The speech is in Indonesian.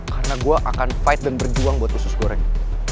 karena gue akan berjuang dan berjuang buat usus goreng